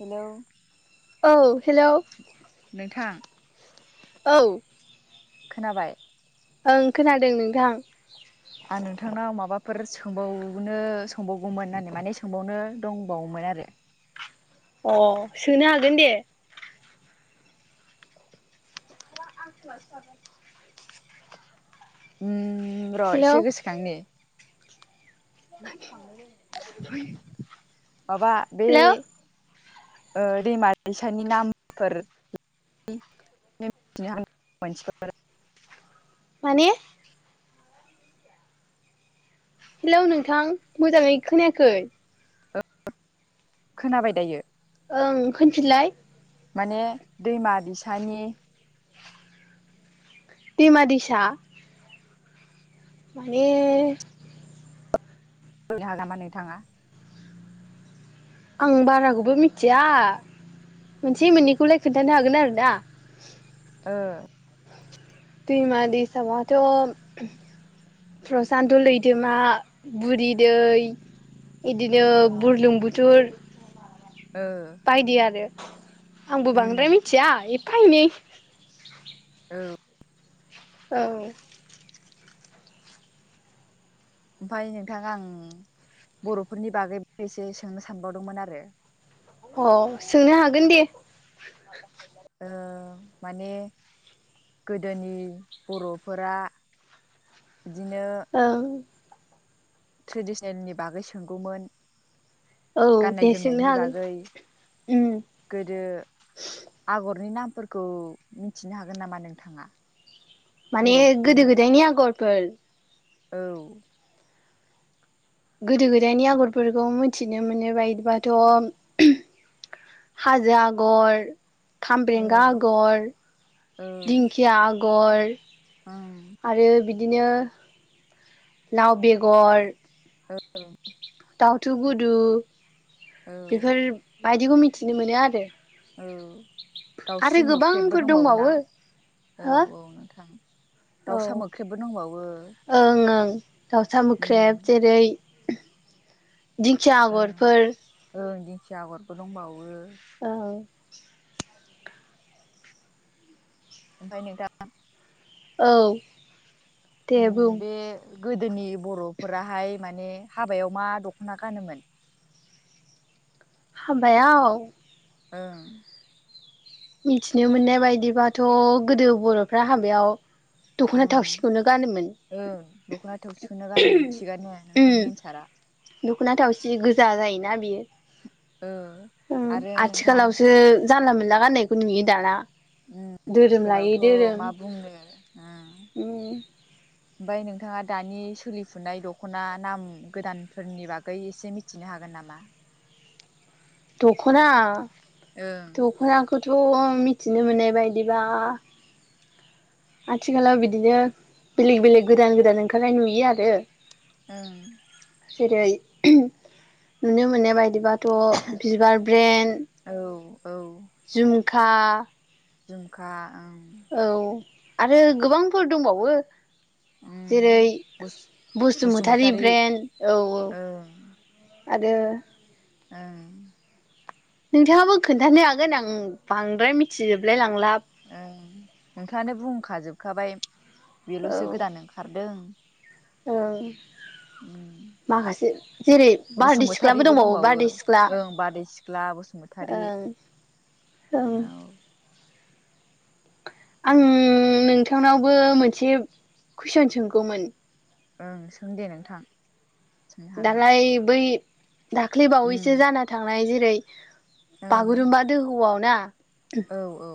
Hello औ hello नोंथां औ। खोनाबाय? ओं खोनादों नोंथां। आं नोंथांनाव माबाफोर सोंबाव नो सोंबावगौमोन होननानै माने सोंबावनो दंबावोमोन आरो। [inaudible] अ' सोनो हागोन दे। [unintelligible] ओम र' हेलौ एसे गोसोखांनि। है माबा बे हेलौ ओ दैमा दैसानि नामफोर [unintelligible] माने हेलौ नोंथां मोजाङै खोनायाखै? ओ खोनाबाय दायो ओं खोनफिनलाय माने दैमा दैसानि दैमा-दैसा माने ओ हागामा नोथाङा? आं बाराखौबो मिथिया मोनसे मोननैखौलाय खोन्थानो हागोन आरोना ओ दैमा दैसायाथ प्रसान्त लैथोमा बुरि दै इदिनो बुरलुंबुथुर ओ बायदि आरो आंबो उम बांद्राय मिथिया एफा एनै औ औ ओमफाय नोंथां आं बरफोरनि बागैबो एसे सोंनो सानबावदोंमोन आरो अ सोंनो हागोन दे ओ माने गोदोनि बरफोरा ओं ट्रेडिसिनेलनि बागै सोंगौमोन औ गाननाय दे सोंनो जोमनायनि हागोन बागै उम गोदो आगरनि नाम फोरखौ मिथिनो हागोन नामा नोंथाङा? माने गोदो बर'फोरनि गोदायनि आगरफोर औ गोदो गोदायनि आगरफोरखौ मोथिनो मोनो बायदिबाथ हाजो आगर औ खामब्रेंगा आगर औ दिंखिया आगर ओं आरो बिदिनो लाव बेगर ओं दावथु गुदु बेफोर बायदिखौ मिथिनो मोनो आरो। औ आरो दाउस्रि मोख्रेबबो गोबांफोर ना दंबावो औ औ नोंथां दाउसा ओं मोख्रेबबो दंबावो ओं दाउसा मोख्रेब उम जेरै दिंखिया ओं आगरफोर ओं दिंखिया आगरबो दंबावो औ ओमफाय नोंथा औ दे उम बुं बे गोदोनि बरफोराहाय माने हाबायाव मा दखना गानोमोन? हाबायाव ओं मिथिनो मोननाय बायदिबाथ गोदो बरफ्रा हाबायाव दखना उम थावसिखौनो गानोमोन। ओं दखना थौसिखौनो गानोमोन थिगानोनो उम नोंथांनि एन्सारा। दखना थावसि गोजा जायोना बियो औ उम आरो नोंथां आथिखालावसो जानला मोनला गाननायखौ नुयो दाना उम धोरोम लायै आथिखालावथ धोरोम मा बुङो उम उम ओमफ्राय नोंथाङा दानि सोलिफुनाय दख'ना नाम गोदानफोरनि बागै एसे मिथिनो हागोन नामा नामा दखना दखनाखौथ' मिथिनो मोननाय बायदिबा आथिखालाव बिदिनो बेलेग बेलेग गोदान गोदान ओंखारनाय नुयो आरो ओह जेरै नुनो मोननाय बायदिबाथ' बिबार ब्रेन औ औ झुमखाह झुमखा ओं औ आरो गोबांफोर दंबावो। ओं जेरै बसुमतारी ब्रेन्ड औ औ। आरो ओ नोंथाङाबो खोनन्थानो हागोन आं बांद्राय मिथिजोबलाय लां ओह नोंथाङानो बुंखाजोबखाबाय बेल'सो औ गोदान ओंखारदों। ओं उम माखासे जेरै बारदै सिख्लाबो बसुमतारिबो दंबावो बारदै सिख्ला ओं बारै सिख्ला बसुमतारि ओं ओं औ आं नोंथांनावबो मोनसे कुइसन सोंगौमोन ओं सों दे नोंथां। सोंनो हागोन दालाय बै दाख्लै उम बावैसो जाना थांनाय जेरै ओं बागुरुम्बा दोहौआव ना औ औ।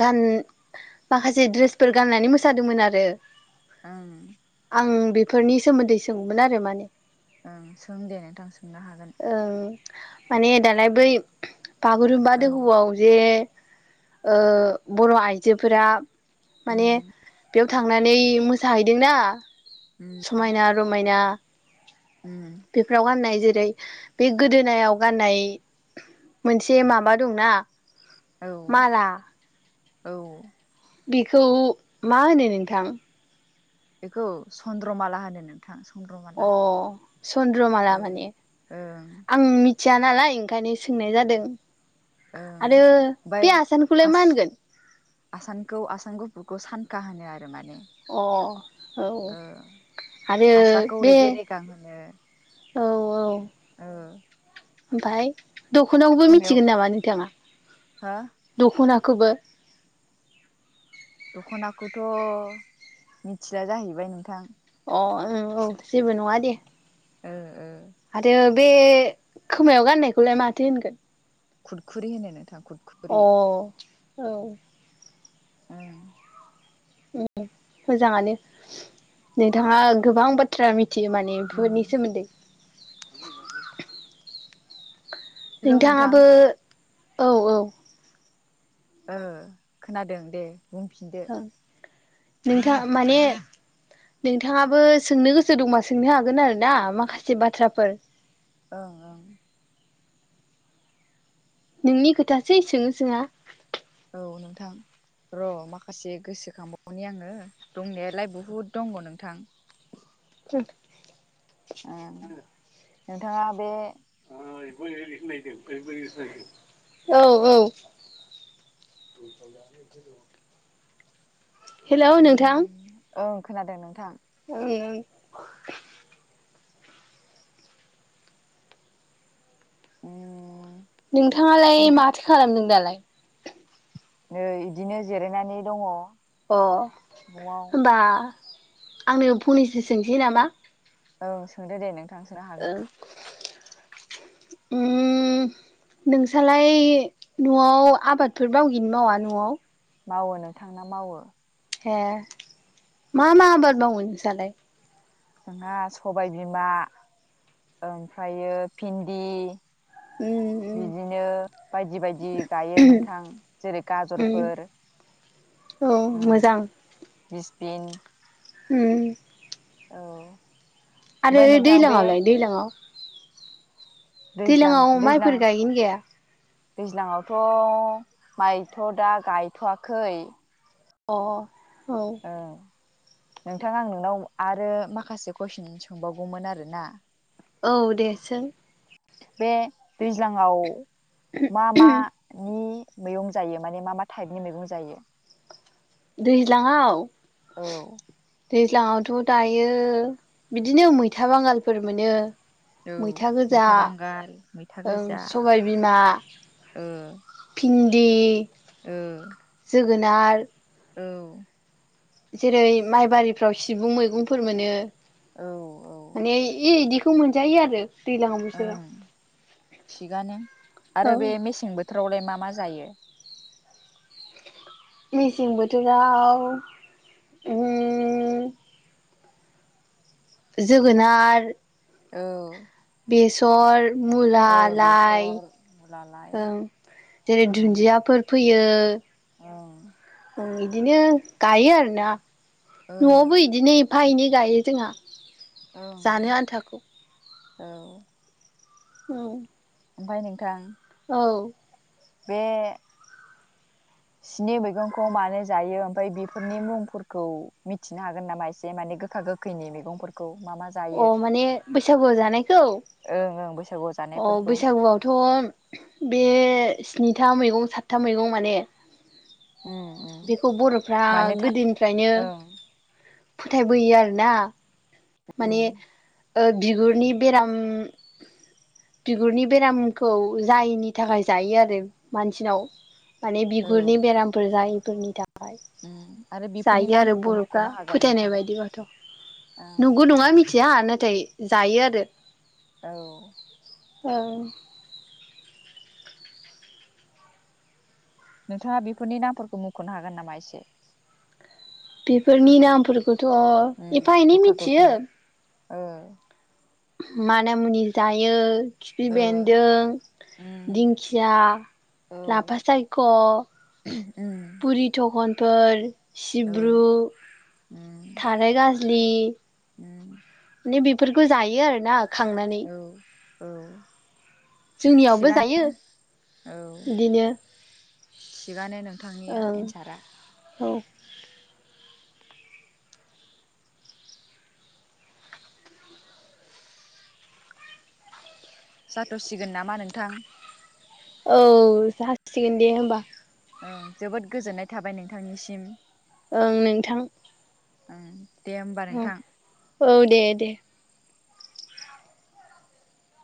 गान माखासे द्रेसफोर गाननानै मोसादोंमोन आरो ओं आं बेफोरनि सोमोन्दै सोंगौमोन आरो माने ओं सों दे नोंथां सोंनो हागोन। ओं माने दालाय बै बागुरुम्बा औ दोहौआव जे ओ बर' आइजोफोरा माने उम बेयाव थाङो थांनानै मोसाहैदों ना उम समायना रमायना उम बेफोराव गाननाय जेरै रै बे गोदोनायाव गाननाय मोनसे माबा दंना। औ माला औ। बेखौ मा होनो नोंथां बेखौ चन्द्रमाला होनो नों अ चन्द्रमाला ओ माने ओं आं मि मिथिया नालाय ओंखायनो सोंनाय जादों। ओं आरो ओमफाय बे आसानखौलाय फास मा होनगोन आसानखौ आसामान गुफुरखौ सानखा होनो आरो माने। अ औ ओ आरो फास्राखौ बे रेगे रेगां होनो औ औ। औ। ओमफाय दख'नाखौबो मिथिगोन नामा नोंथाङा हो दख'ना खौबो दख'नाखौथ' मिथिला जाहैबाय नोंथां। अ ओं औ जेबो नङा दे। ओह ओह। आरो बे खोमायाव गाननायखौलाय माथो होनगोन खुरखुरि होनो नोंथां। अ खुरखुरि औ। उम मोजाङानो नोंथाङा गोबां बाथ्रा मि थियो माने उम बेफोरनि सोमोन्दै हेलौ नोंथां नोंथाङाबो औ औ ओ खोनादों दे बुंफिनदो ओं नोंथां माने नोंथाङाबो सोंनो गोसो दंबा सोंनो हागोन आरो ना माखासे बाथ्राफोर ओं ओं नोंनि खोथासै सोङो सोङा औ नोंथां र' माखासे गोसोखांबावनि आङो दंनायालाय बहुद दमोन नोंथां [inaudible] [inaudible] ओ नोंथाङा बे औ औ [inaudible] हेलौ नोंथां उम ओं खोनादों नोंथां ओं ओं उम नोंथाङालाय नोंथां माथो खालामदों दालाय नै इदिनो जिरायनानै दङ अ न'आव होनबा आंनो फंनैसो सोंसै नामा औ सोंदो दे नोंथां सोनो ओ हागोन [inaudible] उम उम नोंसालाय न'आव आबादफोर बावगैनो मावा न'आव मावो नोंथांना मावो ए मा मा आबाद मावो नोंसालाय जोंहा सबायबिमा ओमफ्रायो फिन्दि उम उम बिदिनो बायदि बायदि गायो नोंथां जेरै उम गाजरफोर औ मोजां बिसबिन उम औ आरो ओमफ्राय नोंथां बे दैज्लाङावलाय दैलाङाव दैज्लां दैलांआव माइफोर गायोन गाया दैज्लांयावथ' माइथ' दा गायथ'वाखै अ औ नोंथां आं नोंनाव आरो माखासे कुइसन सोंबावगौमोन आरोना औ दे सों बे दैज्लांआव मा मानि मैगं जायो माने मा मा टाइपनि मैगं जायो। दैज्लाङाआव औ दैज्लाङावथ' दायो बिदिनो मैथा बांगालफोर मोनो। औ मैथा गोजा बांगाल मैथा ओं गोजा सबायबिमा ओ पिन्दि ओ जोगोनार औ जेरै माइबारिफ्राव सिबुं मैगंफोर मोनो। औ औ माने इदिखौ मोनजायो आरो दैज्लां बोथोराव ओं थिगानो आरो औ बे मेसें बोथोरावलाय मा मा जायो? मेसें बोथोराव उम जोगोनार औ बेसर मुला, औ लाइ बेसर मुला लाइ ओं जेरै ओं दुन्दियाफोर फो फोयो। ओं बिदिनो गायो आरोना ओ न'आवबो बिदिनो एफा एनै गायो जोंहा ओं जानो आन्थाखौ औ औ ओमफ्राय नोंथां औ बेे सिनि मैगंखौ मानो जायो ओमफ्राय बेफोरनि मुंफोरखौ मिथिनो हागोन नामा एसे माने गोखा गोखैनि मैगंफोरखौ मा मा अ जायो? माने बैसागुआव जानायखौ ओं ओं बैसागुआव अ जानायफोरखौ बैसागुआवथ' बे स्निथा मैगं, सातथा मैगं माने उम उम बेखौ बर'फ्रा मानो था गोदोनिफ्रायनो ओं फोथायबोयो आरोना माने ओ बिगुरनि बेराम बिगुरनि बेरामखौ जायैनि थाखाय जायो आरो मानसिनाव माने औ बिगुरनि बेरामफोर जायिफोरनि था उम आरो बेफोरनि नामफोरखौ बर'फ्रा मख'नो हागोन फोथायनाय नोंथाङा बायदिबाथ' ओं नंगौ नङा मिथिया नाथाय जायो आरो औ औ नोंथाङा बेफोरनि नामफोरखौ मख'नो हागोन नामा एसे? बेफोरनि नामफोरखौथ' उम एफा एनै गोखा मिथियो। गोखैनि ओ माना मुनि जायो खिफि ओ बेन्दों उम दिंखिया, औ लाफा सायख', उम बुरि थखन फोर औ सिब्रु, उम थाराइ गाज्लि उम माने बेफोरखौ जायो आरोना खांनानै औ औ जोंनियावबो थिगानो जायो औ बिदिनो थिगानो नोंथांनिया ओं एन्सारा। औ जाथ'सिगोन नामा नोंथां? औ जासिगोन दे होमबा। ओं जोबोद गोजोननाय थाबाय नोंथांनिसिम। ओं नोंथां। ओं दे होमबा औ नोंथां। औ दे दे